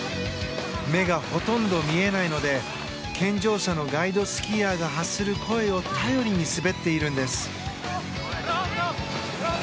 目がほとんど見えないので健常者のガイドスキーヤーが発する声を頼りに滑っているんです。